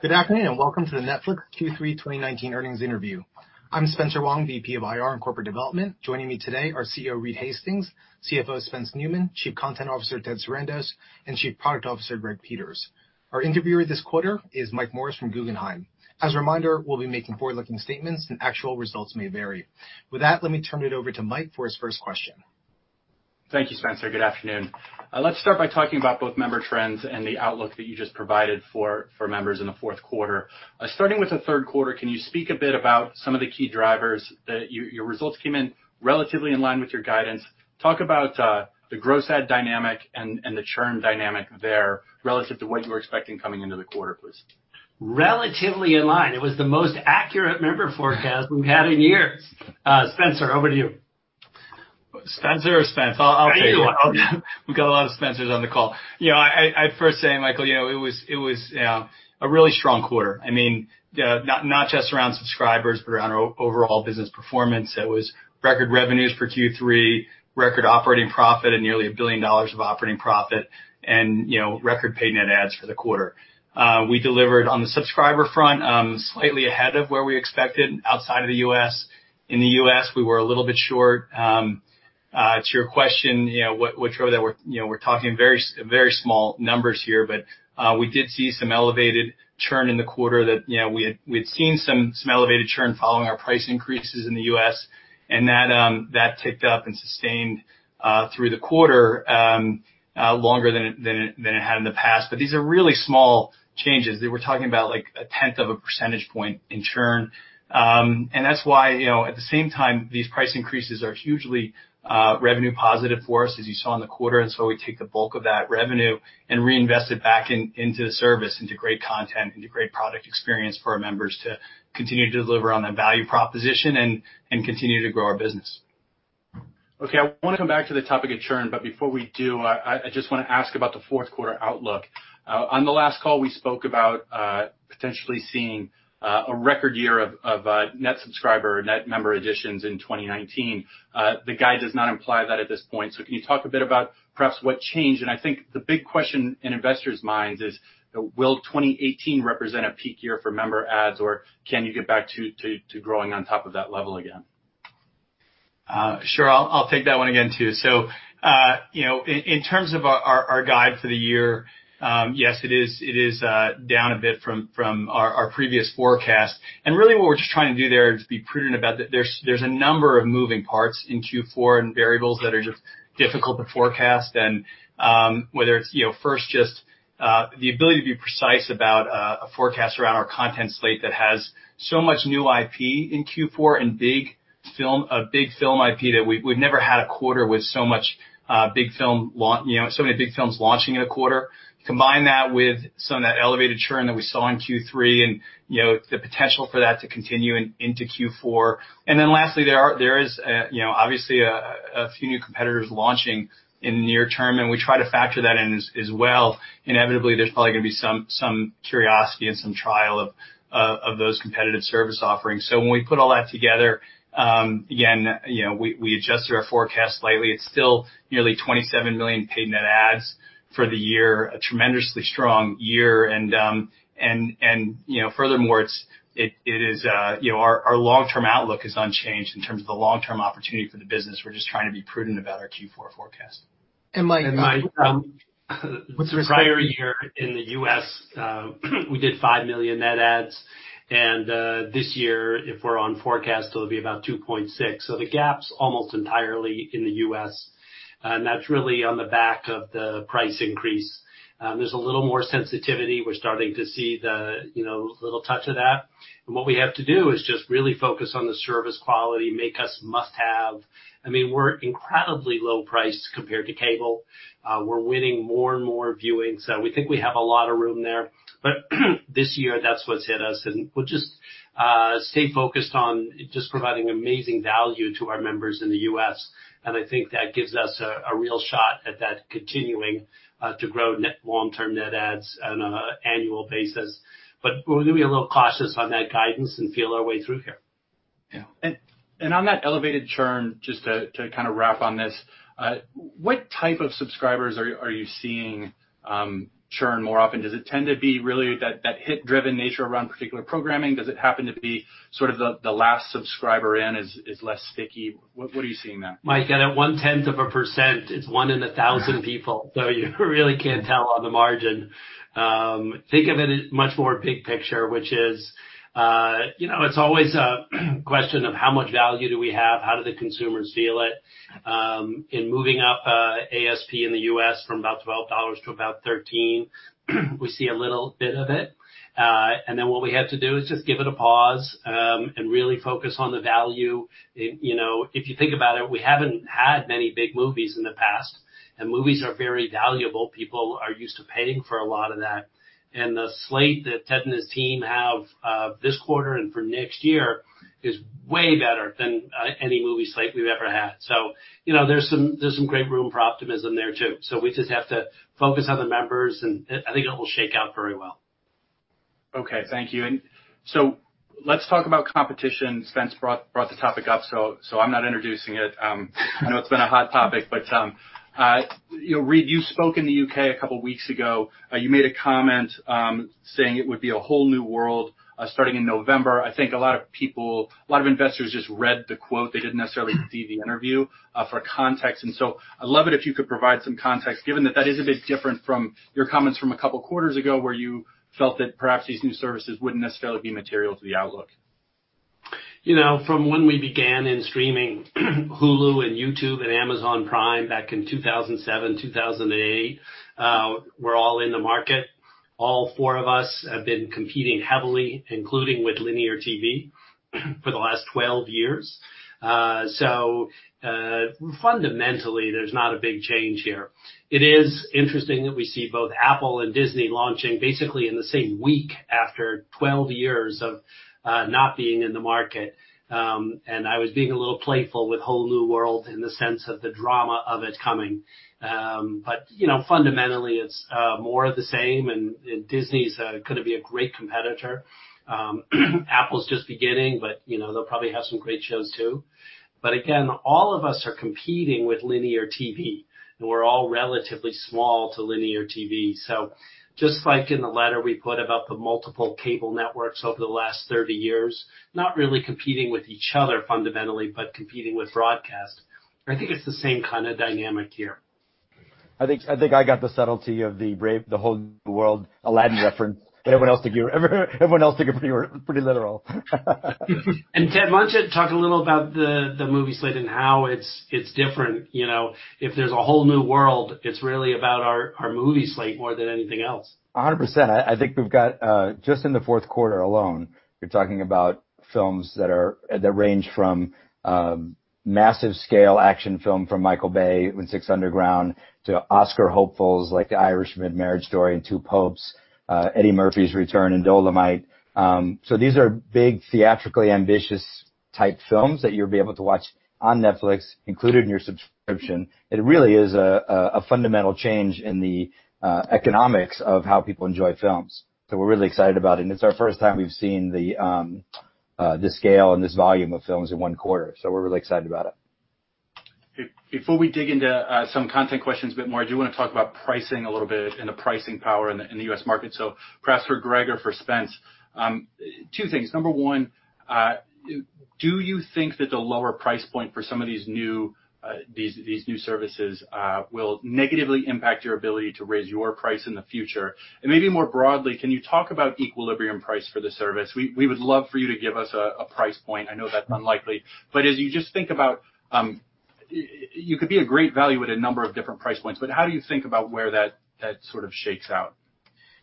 Good afternoon, and welcome to the Netflix Q3 2019 earnings interview. I'm Spencer Wang, VP of IR and Corporate Development. Joining me today are CEO Reed Hastings, CFO Spence Neumann, Chief Content Officer Ted Sarandos, and Chief Product Officer Greg Peters. Our interviewer this quarter is Mike Morris from Guggenheim. As a reminder, we'll be making forward-looking statements and actual results may vary. With that, let me turn it over to Mike for his first question. Thank you, Spencer. Good afternoon. Let's start by talking about both member trends and the outlook that you just provided for members in the fourth quarter. Starting with the third quarter, can you speak a bit about some of the key drivers that your results came in relatively in line with your guidance? Talk about the gross ad dynamic and the churn dynamic there relative to what you were expecting coming into the quarter, please. Relatively in line. It was the most accurate member forecast we've had in years. Spencer, over to you. Spencer or Spence? I'll take it. Either one. We've got a lot of Spencers on the call. I'd first say, Michael, it was a really strong quarter. Not just around subscribers, but around our overall business performance. It was record revenues for Q3, record operating profit at nearly $1 billion of operating profit, and record paid net adds for the quarter. We delivered on the subscriber front, slightly ahead of where we expected outside of the U.S. In the U.S., we were a little bit short. To your question, whichever that were, we're talking very small numbers here. We did see some elevated churn in the quarter that we'd seen some elevated churn following our price increases in the U.S., and that ticked up and sustained through the quarter longer than it had in the past. These are really small changes. We're talking about 0.1 percentage point in churn. That's why, at the same time, these price increases are hugely revenue positive for us, as you saw in the quarter. So we take the bulk of that revenue and reinvest it back into the service, into great content, into great product experience for our members to continue to deliver on that value proposition and continue to grow our business. Okay. I want to come back to the topic of churn. Before we do, I just want to ask about the fourth quarter outlook. On the last call, we spoke about potentially seeing a record year of net subscriber or net member additions in 2019. The guide does not imply that at this point. Can you talk a bit about perhaps what changed? I think the big question in investors' minds is, will 2018 represent a peak year for member adds, or can you get back to growing on top of that level again? Sure. I'll take that one again, too. In terms of our guide for the year, yes, it is down a bit from our previous forecast. Really what we're just trying to do there is be prudent about that there's a number of moving parts in Q4 and variables that are just difficult to forecast. Whether it's first just the ability to be precise about a forecast around our content slate that has so much new IP in Q4 and a big film IP that we've never had a quarter with so many big films launching in a quarter. Combine that with some of that elevated churn that we saw in Q3 and the potential for that to continue into Q4. Lastly, there is obviously a few new competitors launching in the near term, and we try to factor that in as well. Inevitably, there's probably going to be some curiosity and some trial of those competitive service offerings. When we put all that together, again, we adjusted our forecast slightly. It's still nearly 27 million paid net adds for the year, a tremendously strong year. Furthermore, our long-term outlook is unchanged in terms of the long-term opportunity for the business. We're just trying to be prudent about our Q4 forecast. Mike, Mike. What's the risk- The prior year in the U.S., we did $5 million net adds. This year, if we're on forecast, it'll be about $2.6 million. The gap's almost entirely in the U.S., that's really on the back of the price increase. There's a little more sensitivity. We're starting to see the little touch of that. What we have to do is just really focus on the service quality, make us must-have. We're incredibly low priced compared to cable. We're winning more and more viewings. We think we have a lot of room there. This year, that's what's hit us. We'll just stay focused on just providing amazing value to our members in the U.S. I think that gives us a real shot at that continuing to grow long-term net adds on an annual basis. We're going to be a little cautious on that guidance and feel our way through here. Yeah. On that elevated churn, just to kind of wrap on this, what type of subscribers are you seeing churn more often? Does it tend to be really that hit-driven nature around particular programming? Does it happen to be sort of the last subscriber in is less sticky? What are you seeing there? Mike, at one-tenth of a percent, it's one in a thousand people. You really can't tell on the margin. Think of it as much more big picture, which is, it's always a question of how much value do we have? How do the consumers feel it? In moving up ASP in the U.S. from about $12 to about $13, we see a little bit of it. What we have to do is just give it a pause and really focus on the value. If you think about it, we haven't had many big movies in the past. Movies are very valuable. People are used to paying for a lot of that. The slate that Ted and his team have this quarter and for next year is way better than any movie slate we've ever had. There's some great room for optimism there, too. We just have to focus on the members, and I think it will shake out very well. Okay. Thank you. Let's talk about competition. Spence brought the topic up, so I'm not introducing it. I know it's been a hot topic. Reed, you spoke in the U.K. a couple of weeks ago. You made a comment, saying it would be a whole new world, starting in November. I think a lot of investors just read the quote. They didn't necessarily see the interview for context. I'd love it if you could provide some context, given that that is a bit different from your comments from a couple of quarters ago, where you felt that perhaps these new services wouldn't necessarily be material to the outlook. From when we began in streaming, Hulu and YouTube and Amazon Prime back in 2007, 2008, were all in the market. All four of us have been competing heavily, including with linear TV, for the last 12 years. Fundamentally, there's not a big change here. It is interesting that we see both Apple and Disney launching basically in the same week after 12 years of not being in the market. I was being a little playful with whole new world in the sense of the drama of it coming. Fundamentally, it's more of the same, and Disney's going to be a great competitor. Apple's just beginning, but they'll probably have some great shows, too. Again, all of us are competing with linear TV, and we're all relatively small to linear TV. Just like in the letter we put about the multiple cable networks over the last 30 years, not really competing with each other fundamentally, but competing with broadcast. I think it's the same kind of dynamic here. I think I got the subtlety of the brave, the whole new world, Aladdin reference. Everyone else took it pretty literal. Ted, why don't you talk a little about the movie slate and how it's different? If there's a whole new world, it's really about our movie slate more than anything else. 100%. I think we've got, just in the fourth quarter alone, you're talking about films that range from massive scale action film from Michael Bay with 6 Underground to Oscar hopefuls like The Irishman, Marriage Story and Two Popes, Eddie Murphy's return in Dolemite. These are big theatrically ambitious type films that you'll be able to watch on Netflix included in your subscription. It really is a fundamental change in the economics of how people enjoy films. We're really excited about it, and it's our first time we've seen this scale and this volume of films in one quarter. We're really excited about it. Before we dig into some content questions a bit more, I do want to talk about pricing a little bit and the pricing power in the U.S. market. Perhaps for Greg or for Spence. Two things. Number one, do you think that the lower price point for some of these new services will negatively impact your ability to raise your price in the future? And maybe more broadly, can you talk about equilibrium price for the service? We would love for you to give us a price point. I know that's unlikely. But as you just think about, you could be a great value at a number of different price points, but how do you think about where that sort of shakes out?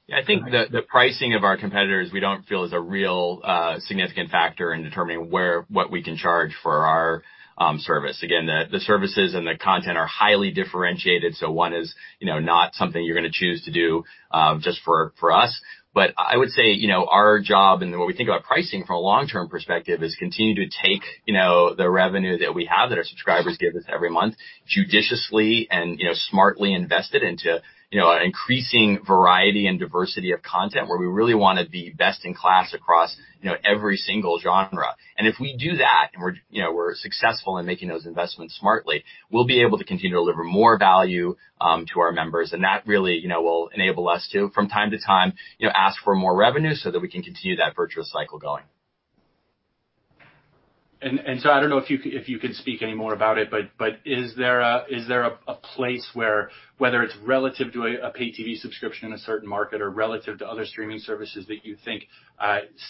Yeah, I think the pricing of our competitors, we don't feel is a real significant factor in determining what we can charge for our service. Again, the services and the content are highly differentiated. One is not something you're going to choose to do just for us. I would say our job and what we think about pricing from a long-term perspective is continue to take the revenue that we have, that our subscribers give us every month, judiciously and smartly invest it into an increasing variety and diversity of content where we really want to be best in class across every single genre. If we do that and we're successful in making those investments smartly, we'll be able to continue to deliver more value to our members, and that really will enable us to, from time to time, ask for more revenue so that we can continue that virtuous cycle going. I don't know if you could speak any more about it, but is there a place where, whether it's relative to a pay TV subscription in a certain market or relative to other streaming services that you think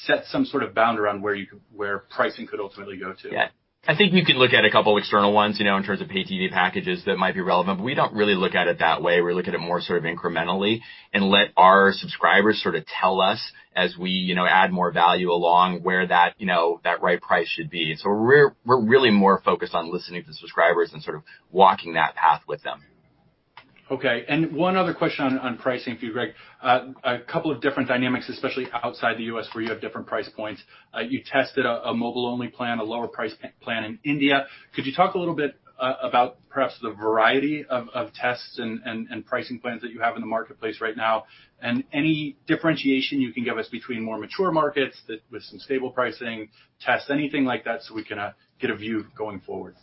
sets some sort of bound around where pricing could ultimately go to? Yeah. I think you could look at a couple external ones, in terms of pay TV packages that might be relevant. We don't really look at it that way. We look at it more sort of incrementally and let our subscribers sort of tell us as we add more value along where that right price should be. We're really more focused on listening to subscribers and sort of walking that path with them. Okay. One other question on pricing for you, Greg. A couple of different dynamics, especially outside the U.S. where you have different price points. You tested a mobile-only plan, a lower price plan in India. Could you talk a little bit about perhaps the variety of tests and pricing plans that you have in the marketplace right now, and any differentiation you can give us between more mature markets with some stable pricing tests, anything like that so we can get a view going forward?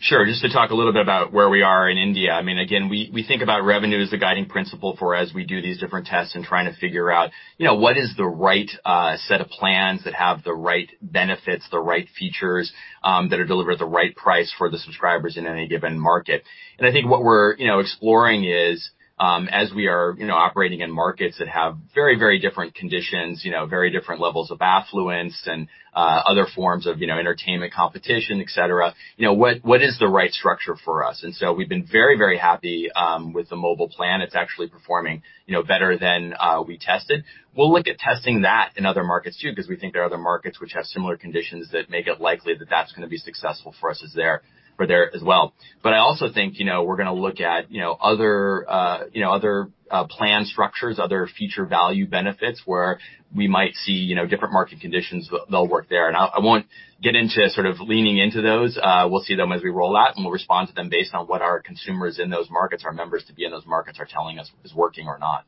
Sure. Just to talk a little bit about where we are in India. Again, we think about revenue as the guiding principle for as we do these different tests and trying to figure out what is the right set of plans that have the right benefits, the right features, that are delivered at the right price for the subscribers in any given market. I think what we're exploring is, as we are operating in markets that have very different conditions, very different levels of affluence and other forms of entertainment competition, et cetera, what is the right structure for us? We've been very happy with the mobile plan. It's actually performing better than we tested. We'll look at testing that in other markets too because we think there are other markets which have similar conditions that make it likely that that's going to be successful for us as there as well. I also think we're going to look at other plan structures, other feature value benefits where we might see different market conditions that'll work there. I won't get into sort of leaning into those. We'll see them as we roll out, and we'll respond to them based on what our consumers in those markets, our members to be in those markets are telling us is working or not.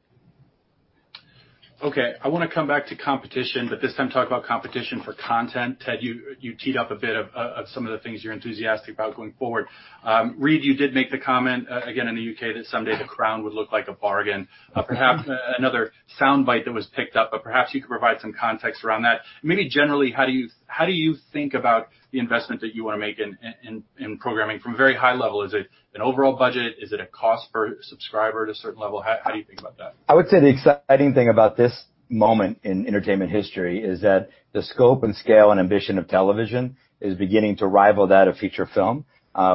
Okay. I want to come back to competition, this time talk about competition for content. Ted, you teed up a bit of some of the things you're enthusiastic about going forward. Reed, you did make the comment, again, in the U.K. that someday The Crown would look like a bargain. Perhaps another soundbite that was picked up, but perhaps you could provide some context around that. Maybe generally, how do you think about the investment that you want to make in programming from a very high level? Is it an overall budget? Is it a cost per subscriber to a certain level? How do you think about that? I would say the exciting thing about this moment in entertainment history is that the scope and scale and ambition of television is beginning to rival that of feature film,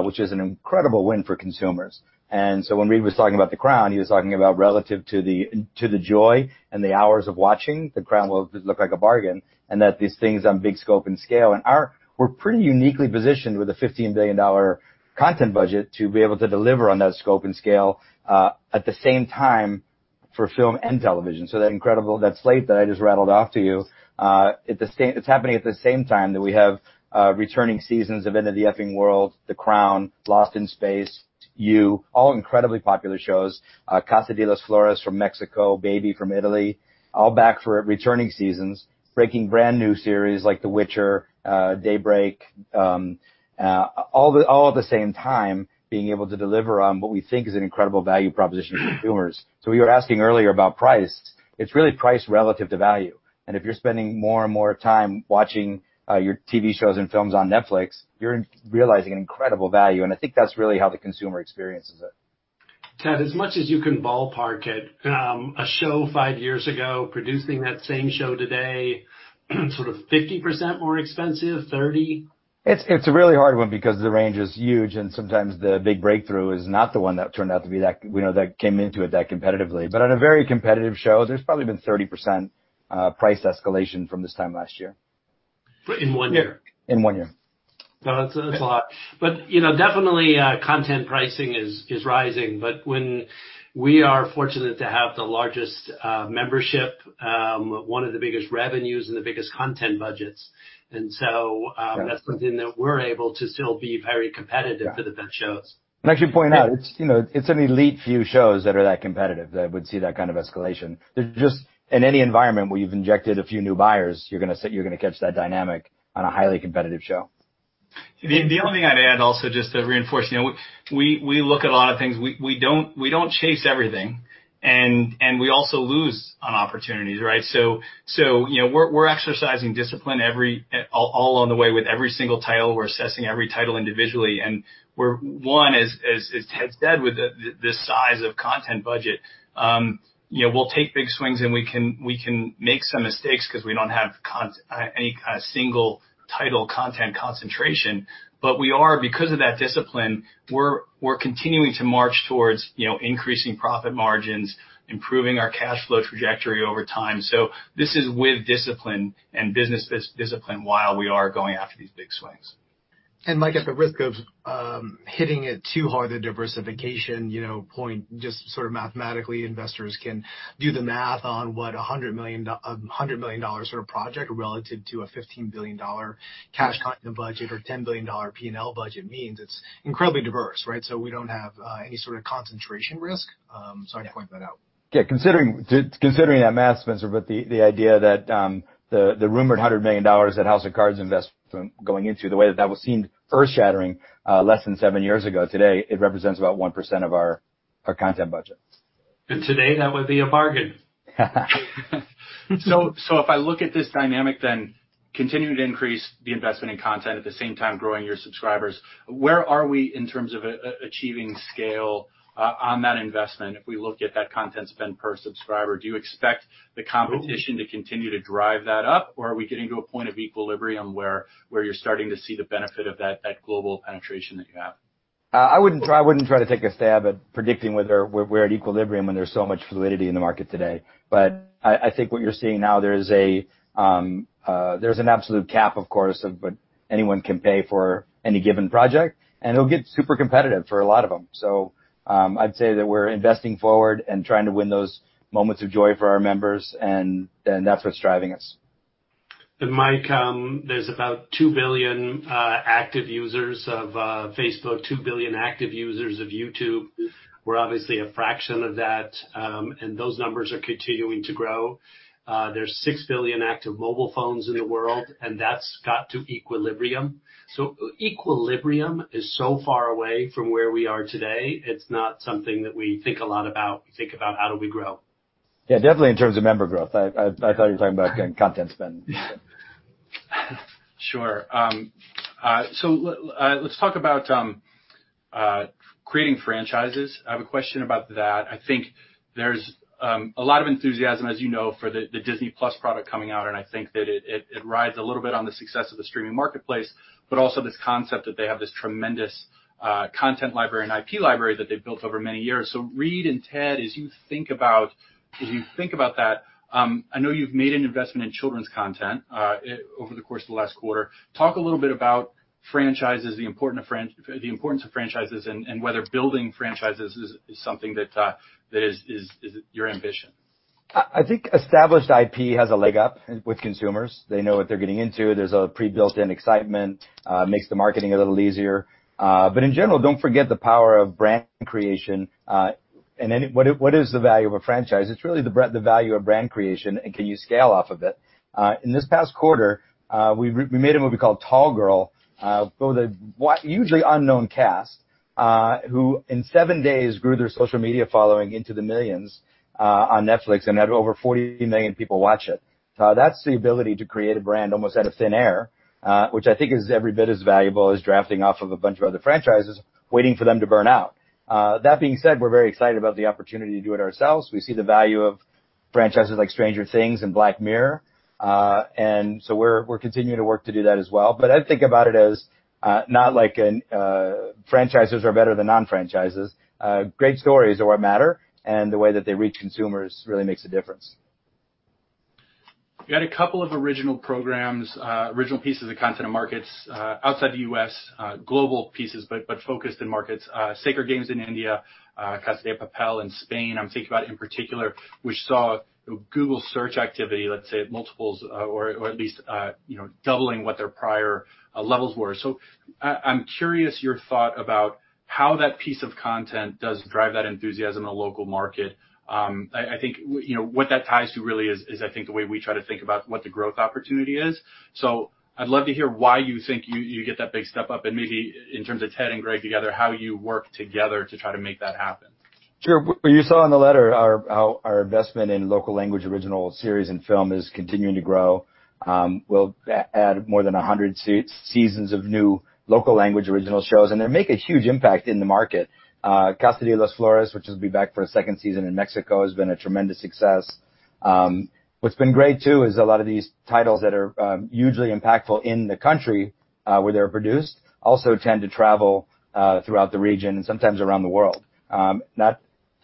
which is an incredible win for consumers. When Reed was talking about The Crown, he was talking about relative to the joy and the hours of watching, The Crown will look like a bargain, and that these things on big scope and scale. We're pretty uniquely positioned with a $15 billion content budget to be able to deliver on that scope and scale, at the same time for film and television. That incredible slate that I just rattled off to you it's happening at the same time that we have returning seasons of The End of the F***ing World", The Crown, Lost in Space, You, all incredibly popular shows. Casa de las Flores from Mexico, Baby from Italy, all back for returning seasons. Breaking brand new series like The Witcher, Daybreak, all at the same time being able to deliver on what we think is an incredible value proposition for consumers. We were asking earlier about price. It's really price relative to value, and if you're spending more and more time watching your TV shows and films on Netflix, you're realizing incredible value, and I think that's really how the consumer experiences it. Ted, as much as you can ballpark it, a show five years ago, producing that same show today sort of 50% more expensive, 30? It's a really hard one because the range is huge and sometimes the big breakthrough is not the one that came into it that competitively. On a very competitive show, there's probably been 30% price escalation from this time last year. In one year? In one year. No, that's a lot. Definitely content pricing is rising. When we are fortunate to have the largest membership, one of the biggest revenues and the biggest content budgets. Yeah that's something that we're able to still be very competitive. Yeah for the best shows. I should point out, it's an elite few shows that are that competitive, that would see that kind of escalation. In any environment where you've injected a few new buyers, you're gonna catch that dynamic on a highly competitive show. The only thing I'd add also just to reinforce, we look at a lot of things. We don't chase everything, and we also lose on opportunities, right? We're exercising discipline all on the way with every single title. We're assessing every title individually, and one is, as Ted said, with the size of content budget. We'll take big swings, and we can make some mistakes because we don't have any single title content concentration. Because of that discipline, we're continuing to march towards increasing profit margins, improving our cash flow trajectory over time. This is with discipline and business discipline while we are going after these big swings. Mike, at the risk of hitting it too hard, the diversification point, just sort of mathematically, investors can do the math on what $100 million sort of project relative to a $15 billion cash content budget or $10 billion P&L budget means. It's incredibly diverse, right? We don't have any sort of concentration risk. Sorry to point that out. Yeah, considering that math, Spencer, the idea that the rumored $100 million that House of Cards investment going into, the way that was seen earth-shattering less than seven years ago. Today, it represents about 1% of our content budget. Today, that would be a bargain. If I look at this dynamic, then continuing to increase the investment in content at the same time growing your subscribers, where are we in terms of achieving scale on that investment if we look at that content spend per subscriber? Do you expect the competition to continue to drive that up, or are we getting to a point of equilibrium where you're starting to see the benefit of that global penetration that you have? I wouldn't try to take a stab at predicting whether we're at equilibrium when there's so much fluidity in the market today. I think what you're seeing now, there's an absolute cap, of course, of what anyone can pay for any given project, and it'll get super competitive for a lot of them. I'd say that we're investing forward and trying to win those moments of joy for our members, and that's what's driving us. Mike, there's about 2 billion active users of Facebook, 2 billion active users of YouTube. We're obviously a fraction of that, and those numbers are continuing to grow. There's 6 billion active mobile phones in the world, and that's got to equilibrium. Equilibrium is so far away from where we are today. It's not something that we think a lot about. We think about how do we grow. Yeah, definitely in terms of member growth. I thought you were talking about content spend. Sure. Let's talk about creating franchises. I have a question about that. I think there's a lot of enthusiasm, as you know, for the Disney+ product coming out, and I think that it rides a little bit on the success of the streaming marketplace, but also this concept that they have this tremendous content library and IP library that they've built over many years. Reed and Ted, as you think about that, I know you've made an investment in children's content over the course of the last quarter. Talk a little bit about franchises, the importance of franchises, and whether building franchises is something that is your ambition. I think established IP has a leg up with consumers. They know what they're getting into. There's a pre-built-in excitement, makes the marketing a little easier. In general, don't forget the power of brand creation. What is the value of a franchise? It's really the value of brand creation and can you scale off of it. In this past quarter, we made a movie called Tall Girl, with a usually unknown cast, who in seven days grew their social media following into the millions on Netflix and had over 40 million people watch it. That's the ability to create a brand almost out of thin air, which I think is every bit as valuable as drafting off of a bunch of other franchises waiting for them to burn out. That being said, we're very excited about the opportunity to do it ourselves. We see the value of franchises like Stranger Things and Black Mirror. We're continuing to work to do that as well. I'd think about it as not like franchises are better than non-franchises. Great stories are what matter, and the way that they reach consumers really makes a difference. You had a couple of original programs, original pieces of content in markets outside the U.S., global pieces, but focused in markets, Sacred Games in India, La Casa de Papel in Spain. I'm thinking about in particular, we saw Google Search activity, let's say, multiples or at least doubling what their prior levels were. I'm curious your thought about how that piece of content does drive that enthusiasm in the local market. I think what that ties to really is, I think the way we try to think about what the growth opportunity is. I'd love to hear why you think you get that big step up and maybe in terms of Ted and Greg together, how you work together to try to make that happen. Sure. You saw in the letter how our investment in local language original series and film is continuing to grow. We'll add more than 100 seasons of new local language original shows, and they make a huge impact in the market. Casa de las Flores, which will be back for a second season in Mexico, has been a tremendous success. What's been great too is a lot of these titles that are hugely impactful in the country where they're produced also tend to travel throughout the region and sometimes around the world.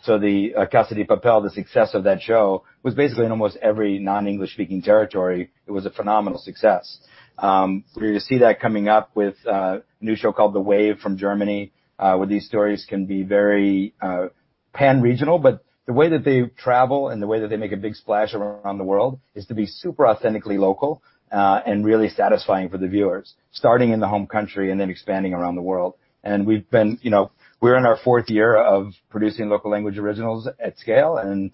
The Casa de Papel, the success of that show was basically in almost every non-English speaking territory, it was a phenomenal success. You're gonna see that coming up with a new show called We Are the Wave from Germany, where these stories can be very pan-regional, but the way that they travel and the way that they make a big splash around the world is to be super authentically local, and really satisfying for the viewers, starting in the home country and then expanding around the world. We're in our fourth year of producing local language originals at scale, and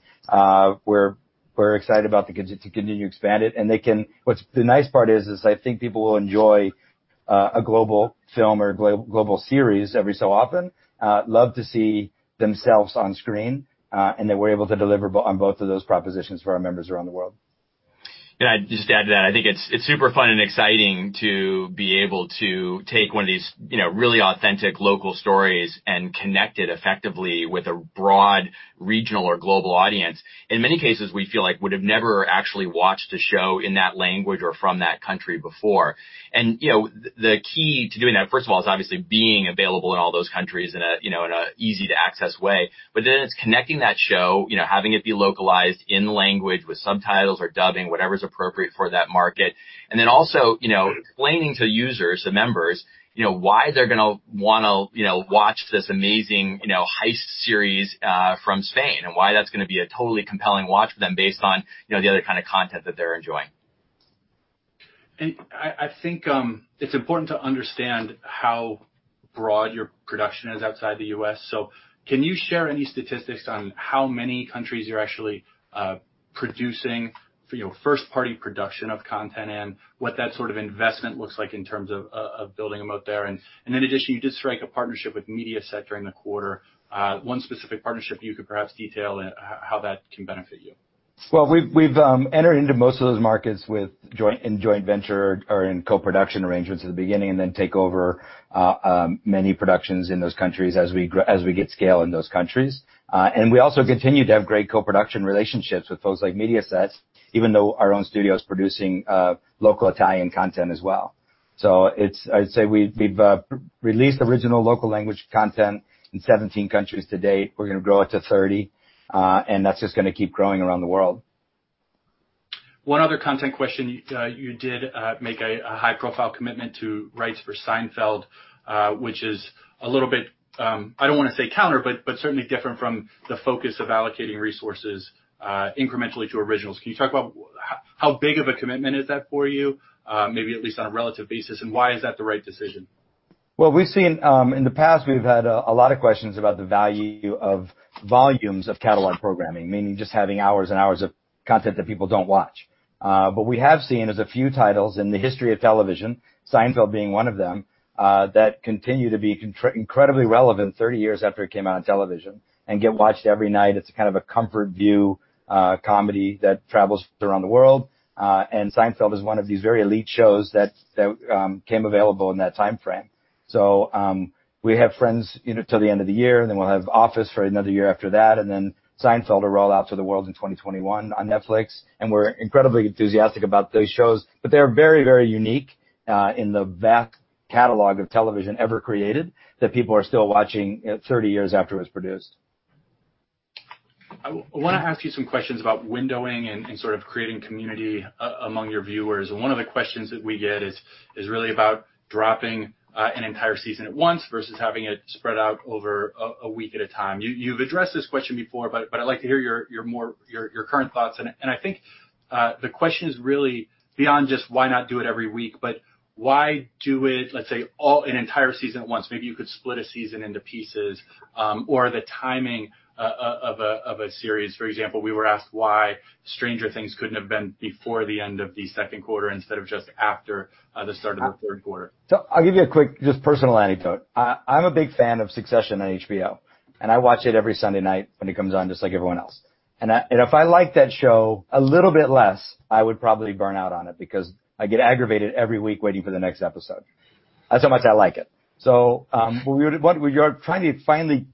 we're excited about to continue to expand it. The nice part is I think people will enjoy a global film or global series every so often, love to see themselves on screen, and that we're able to deliver on both of those propositions for our members around the world. Can I just add to that? I think it's super fun and exciting to be able to take one of these really authentic local stories and connect it effectively with a broad regional or global audience. In many cases, we feel like would have never actually watched a show in that language or from that country before. The key to doing that, first of all, is obviously being available in all those countries in an easy-to-access way. It's connecting that show, having it be localized in the language with subtitles or dubbing, whatever's appropriate for that market. Also, explaining to users, the members, why they're gonna want to watch this amazing heist series from Spain and why that's gonna be a totally compelling watch for them based on the other kind of content that they're enjoying. I think it's important to understand how broad your production is outside the U.S. Can you share any statistics on how many countries you're actually producing first-party production of content in, what that sort of investment looks like in terms of building them out there? In addition, you did strike a partnership with Mediaset during the quarter. One specific partnership you could perhaps detail how that can benefit you. Well, we've entered into most of those markets in joint venture or in co-production arrangements at the beginning and then take over many productions in those countries as we get scale in those countries. We also continue to have great co-production relationships with folks like Mediaset, even though our own studio is producing local Italian content as well. I'd say we've released original local language content in 17 countries to date. We're gonna grow it to 30, and that's just gonna keep growing around the world. One other content question. You did make a high-profile commitment to rights for Seinfeld, which is a little bit, I don't want to say counter, but certainly different from the focus of allocating resources incrementally to originals. Can you talk about how big of a commitment is that for you? Maybe at least on a relative basis, and why is that the right decision? Well, in the past, we've had a lot of questions about the value of volumes of catalog programming, meaning just having hours and hours of content that people don't watch. We have seen is a few titles in the history of television, Seinfeld being one of them, that continue to be incredibly relevant 30 years after it came out on television and get watched every night. It's a kind of a comfort view comedy that travels around the world. Seinfeld is one of these very elite shows that came available in that timeframe. We have Friends till the end of the year, and then we'll have Office for another year after that, and then Seinfeld will roll out to the world in 2021 on Netflix. We're incredibly enthusiastic about those shows. They are very unique in the vast catalog of television ever created that people are still watching 30 years after it was produced. I want to ask you some questions about windowing and sort of creating community among your viewers. One of the questions that we get is really about dropping an entire season at once versus having it spread out over a week at a time. You've addressed this question before, but I'd like to hear your current thoughts. I think the question is really beyond just why not do it every week, but why do it, let's say, an entire season at once? Maybe you could split a season into pieces or the timing of a series. For example, we were asked why Stranger Things couldn't have been before the end of the second quarter instead of just after the start of the third quarter. I'll give you a quick, just personal anecdote. I'm a big fan of Succession on HBO, and I watch it every Sunday night when it comes on, just like everyone else. If I like that show a little bit less, I would probably burn out on it because I get aggravated every week waiting for the next episode. That's how much I like it. We are trying to fine-tune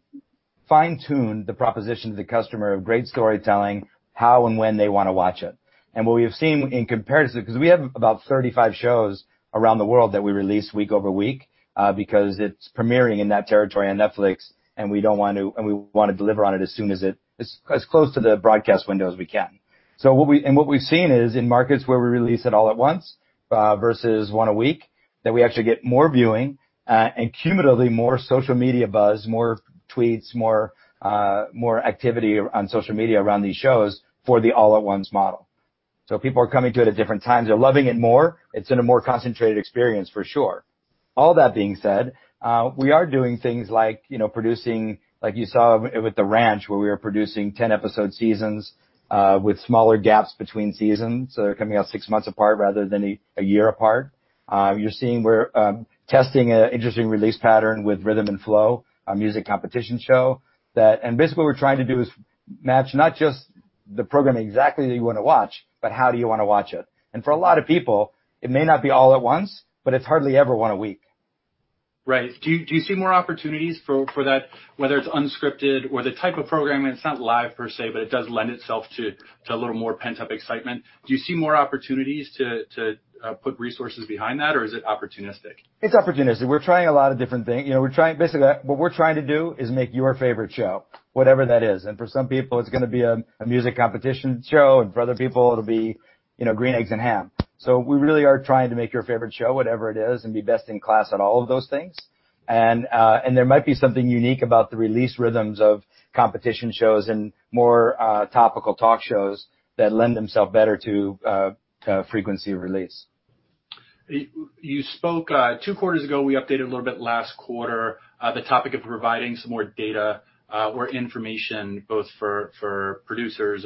the proposition to the customer of great storytelling, how and when they want to watch it. What we have seen in comparison, because we have about 35 shows around the world that we release week over week because it's premiering in that territory on Netflix, and we want to deliver on it as close to the broadcast window as we can. What we've seen is in markets where we release it all at once versus one a week, that we actually get more viewing and cumulatively more social media buzz, more tweets, more activity on social media around these shows for the all-at-once model. People are coming to it at different times. They're loving it more. It's in a more concentrated experience for sure. All that being said, we are doing things like producing, like you saw with The Ranch, where we were producing 10 episode seasons with smaller gaps between seasons, so they're coming out six months apart rather than a year apart. You're seeing we're testing an interesting release pattern with Rhythm + Flow, a music competition show. Basically, what we're trying to do is match not just the program exactly that you want to watch, but how do you want to watch it? For a lot of people, it may not be all at once, but it's hardly ever one a week. Right. Do you see more opportunities for that, whether it's unscripted or the type of programming that's not live per se, but it does lend itself to a little more pent-up excitement? Do you see more opportunities to put resources behind that, or is it opportunistic? It's opportunistic. We're trying a lot of different things. Basically, what we're trying to do is make your favorite show, whatever that is. For some people, it's going to be a music competition show, and for other people, it'll be Green Eggs and Ham. We really are trying to make your favorite show, whatever it is, and be best in class at all of those things. There might be something unique about the release rhythms of competition shows and more topical talk shows that lend themselves better to frequency of release. You spoke two quarters ago, we updated a little bit last quarter, the topic of providing some more data or information both for producers,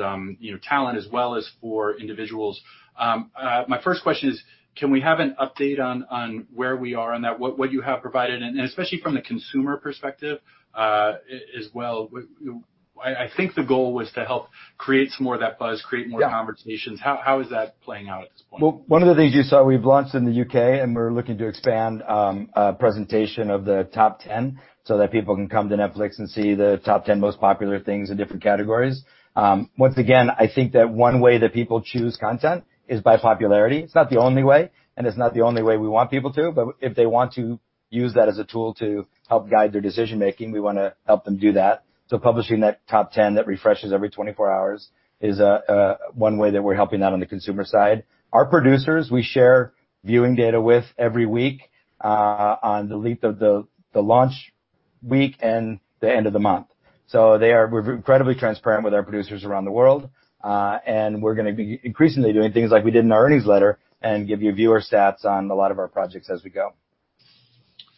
talent as well as for individuals. My first question is, can we have an update on where we are on that, what you have provided, and especially from the consumer perspective as well. I think the goal was to help create some more of that buzz, create more conversations. Yeah. How is that playing out at this point? Well, one of the things you saw, we've launched in the U.K., we're looking to expand presentation of the top 10 so that people can come to Netflix and see the top 10 most popular things in different categories. Once again, I think that one way that people choose content is by popularity. It's not the only way, it's not the only way we want people to, if they want to use that as a tool to help guide their decision making, we want to help them do that. Publishing that top 10 that refreshes every 24 hours is one way that we're helping out on the consumer side. Our producers, we share viewing data with every week on the launch week and the end of the month. We're incredibly transparent with our producers around the world, and we're going to be increasingly doing things like we did in our earnings letter and give you viewer stats on a lot of our projects as we go.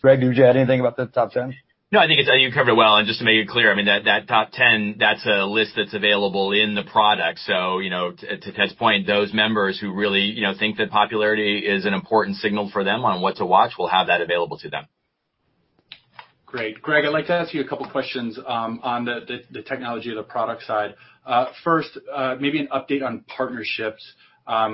Greg, did you add anything about the top 10? No, I think you covered it well. Just to make it clear, that top 10, that's a list that's available in the product. To Ted's point, those members who really think that popularity is an important signal for them on what to watch will have that available to them. Great. Greg, I'd like to ask you a couple questions on the technology of the product side. First, maybe an update on partnerships.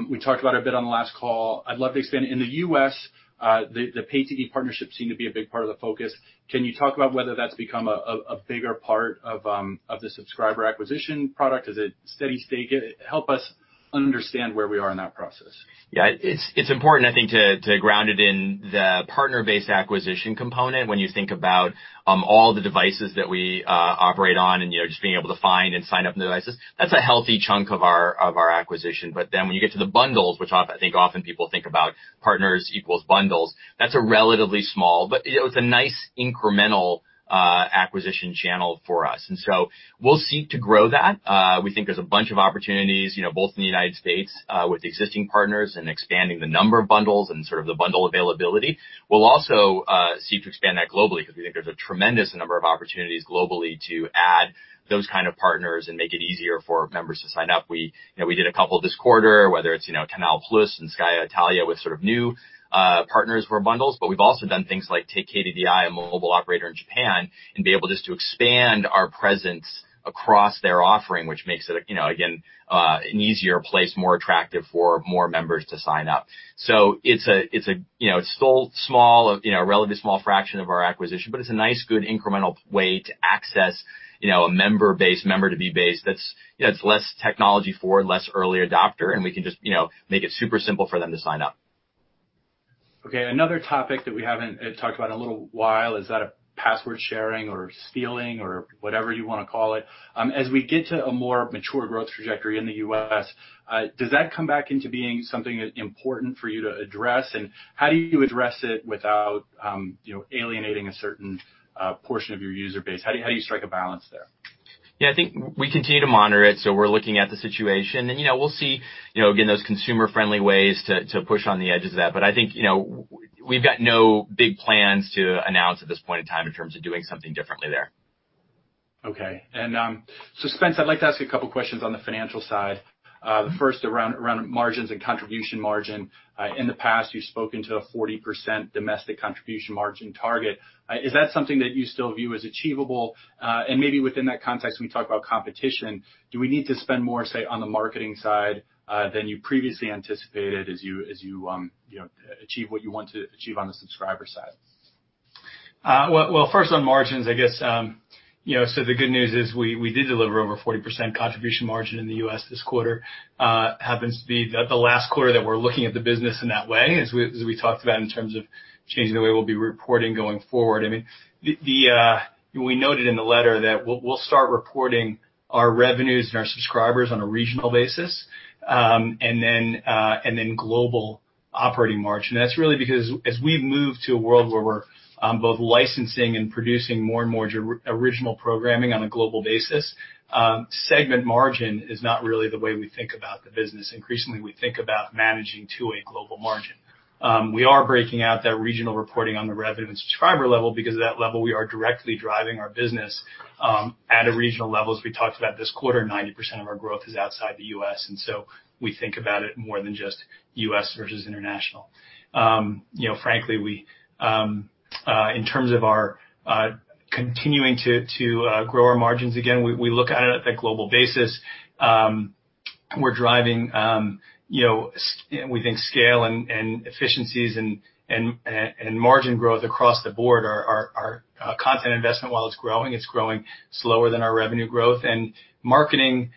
We talked about it a bit on the last call. I'd love to expand. In the U.S., the pay TV partnerships seem to be a big part of the focus. Can you talk about whether that's become a bigger part of the subscriber acquisition product? Is it steady state? Help us understand where we are in that process. Yeah. It's important, I think, to ground it in the partner-based acquisition component when you think about all the devices that we operate on and just being able to find and sign up new devices. That's a healthy chunk of our acquisition. When you get to the bundles, which I think often people think about partners equals bundles, that's a relatively small, but it's a nice incremental acquisition channel for us. We'll seek to grow that. We think there's a bunch of opportunities, both in the U.S. with existing partners and expanding the number of bundles and sort of the bundle availability. We'll also seek to expand that globally because we think there's a tremendous number of opportunities globally to add those kind of partners and make it easier for members to sign up. We did a couple this quarter, whether it's Canal+ and Sky Italia with sort of new partners for bundles, but we've also done things like take KDDI, a mobile operator in Japan, and be able just to expand our presence across their offering, which makes it, again, an easier place, more attractive for more members to sign up. It's still a relatively small fraction of our acquisition, but it's a nice, good incremental way to access a member base, member-to-be base that's less technology forward, less early adopter, and we can just make it super simple for them to sign up. Okay. Another topic that we haven't talked about in a little while is that of password sharing or stealing or whatever you want to call it. As we get to a more mature growth trajectory in the U.S., does that come back into being something that's important for you to address? How do you address it without alienating a certain portion of your user base? How do you strike a balance there? Yeah, I think we continue to monitor it. We're looking at the situation. We'll see, again, those consumer-friendly ways to push on the edges of that. I think, we've got no big plans to announce at this point in time in terms of doing something differently there. Okay. Spence, I'd like to ask you a couple of questions on the financial side. The first around margins and contribution margin. In the past, you've spoken to a 40% domestic contribution margin target. Is that something that you still view as achievable? Maybe within that context, when we talk about competition, do we need to spend more, say, on the marketing side than you previously anticipated as you achieve what you want to achieve on the subscriber side? First on margins, I guess, the good news is we did deliver over 40% contribution margin in the U.S. this quarter. Happens to be the last quarter that we're looking at the business in that way, as we talked about in terms of changing the way we'll be reporting going forward. We noted in the letter that we'll start reporting our revenues and our subscribers on a regional basis, and then global operating margin. That's really because as we've moved to a world where we're both licensing and producing more and more original programming on a global basis, segment margin is not really the way we think about the business. Increasingly, we think about managing to a global margin. We are breaking out that regional reporting on the revenue and subscriber level because at that level, we are directly driving our business at a regional level. As we talked about this quarter, 90% of our growth is outside the U.S., and so we think about it more than just U.S. versus international. Frankly, in terms of our continuing to grow our margins again, we look at it at the global basis. We're driving scale and efficiencies and margin growth across the board. Our content investment, while it's growing, it's growing slower than our revenue growth. Marketing,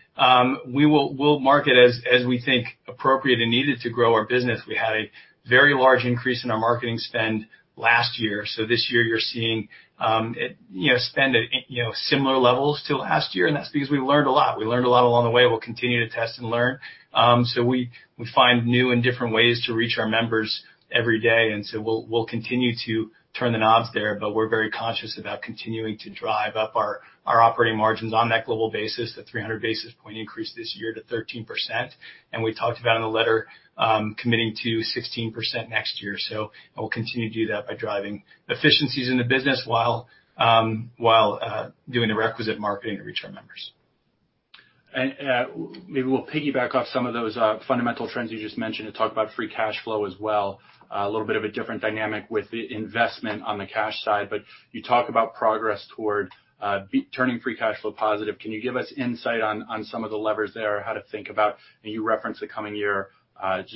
we'll market as we think appropriate and needed to grow our business. We had a very large increase in our marketing spend last year. This year you're seeing spend at similar levels to last year, and that's because we learned a lot. We learned a lot along the way. We'll continue to test and learn. We find new and different ways to reach our members every day, and so we'll continue to turn the knobs there, but we're very conscious about continuing to drive up our operating margins on that global basis, that 300 basis point increase this year to 13%. We talked about in the letter, committing to 16% next year. I will continue to do that by driving efficiencies in the business while doing the requisite marketing to reach our members. Maybe we'll piggyback off some of those fundamental trends you just mentioned to talk about free cash flow as well. A little bit of a different dynamic with the investment on the cash side. You talk about progress toward turning free cash flow positive. Can you give us insight on some of the levers there or how to think about, and you referenced the coming year,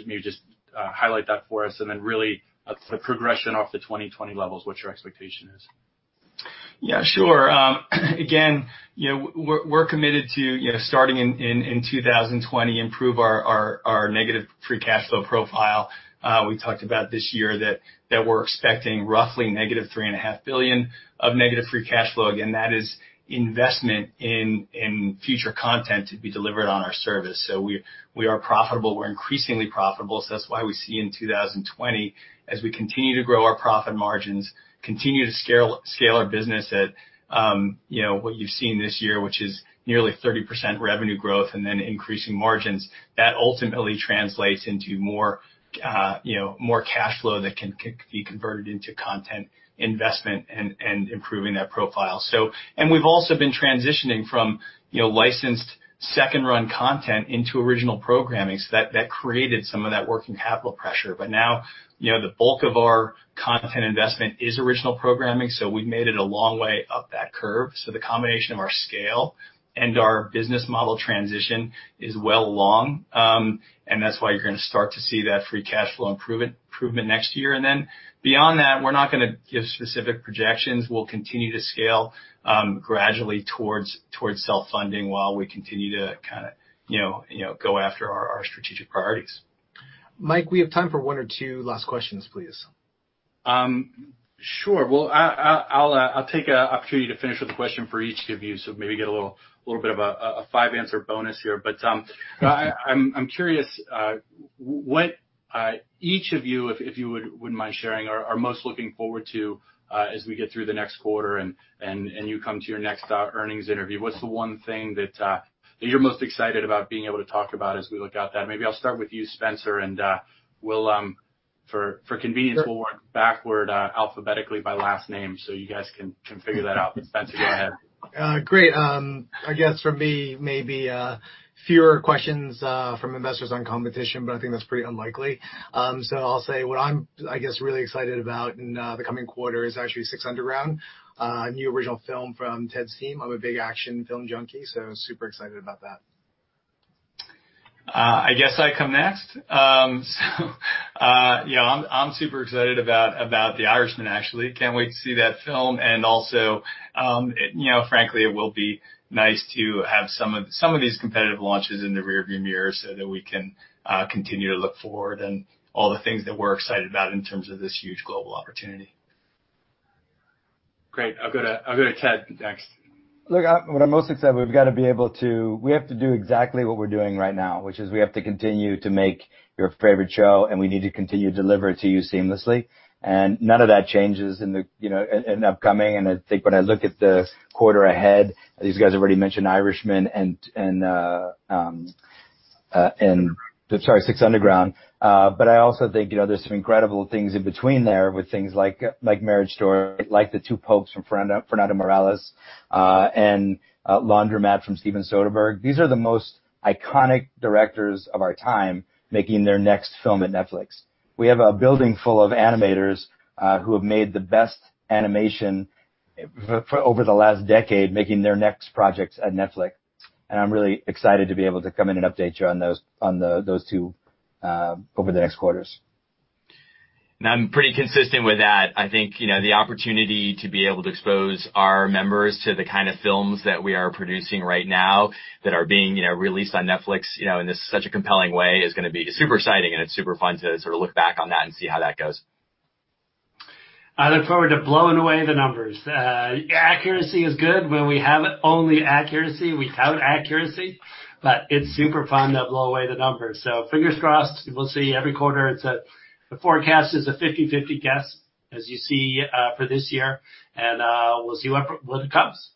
maybe just highlight that for us, and then really the progression off the 2020 levels, what your expectation is? Yeah, sure. Again, we're committed to starting in 2020, improve our negative free cash flow profile. We talked about this year that we're expecting roughly negative $3.5 billion of negative free cash flow. Again, that is investment in future content to be delivered on our service. We are profitable. We're increasingly profitable. That's why we see in 2020, as we continue to grow our profit margins, continue to scale our business at what you've seen this year, which is nearly 30% revenue growth and then increasing margins. That ultimately translates into more cash flow that can be converted into content investment and improving that profile. We've also been transitioning from licensed second-run content into original programming. That created some of that working capital pressure. Now, the bulk of our content investment is original programming, we've made it a long way up that curve. The combination of our scale and our business model transition is well along. That's why you're going to start to see that free cash flow improvement next year. Beyond that, we're not going to give specific projections. We'll continue to scale gradually towards self-funding while we continue to go after our strategic priorities. Mike, we have time for one or two last questions, please. Sure. Well, I'll take a opportunity to finish with a question for each of you, so maybe get a little bit of a five-answer bonus here. I'm curious, what each of you, if you wouldn't mind sharing, are most looking forward to as we get through the next quarter and you come to your next earnings interview. What's the one thing that you're most excited about being able to talk about as we look out that? Maybe I'll start with you, Spencer, and for convenience, we'll work backward alphabetically by last name, so you guys can figure that out. Spencer, go ahead. Great. I guess for me, maybe fewer questions from investors on competition, but I think that's pretty unlikely. I'll say what I'm really excited about in the coming quarter is actually 6 Underground, a new original film from Ted's team. I'm a big action film junkie, so super excited about that. I guess I come next. I'm super excited about The Irishman, actually. Can't wait to see that film. Frankly, it will be nice to have some of these competitive launches in the rear-view mirror so that we can continue to look forward and all the things that we're excited about in terms of this huge global opportunity. Great. I'll go to Ted next. Look, what I'm most excited, we have to do exactly what we're doing right now, which is we have to continue to make your favorite show, and we need to continue to deliver it to you seamlessly. And none of that changes in the upcoming. And I think when I look at the quarter ahead, these guys have already mentioned Irishman and sorry, 6 Underground. But I also think there's some incredible things in between there with things like Marriage Story, like The Two Popes from Fernando Meirelles, and Laundromat from Steven Soderbergh. These are the most iconic directors of our time making their next film at Netflix. We have a building full of animators who have made the best animation over the last decade making their next projects at Netflix. I'm really excited to be able to come in and update you on those two over the next quarters. I'm pretty consistent with that. I think the opportunity to be able to expose our members to the kind of films that we are producing right now that are being released on Netflix in such a compelling way is going to be super exciting, and it's super fun to look back on that and see how that goes. I look forward to blowing away the numbers. Accuracy is good. When we have only accuracy, we tout accuracy. It's super fun to blow away the numbers. Fingers crossed. We'll see every quarter. The forecast is a 50/50 guess, as you see for this year, and we'll see when it comes.